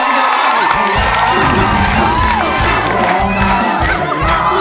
ร้องได้ร้องได้ร้องได้